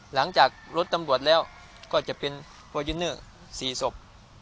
หลังจากรถตำรวจแล้วก็จะเป็นฟอร์จูเนอร์๔ศพ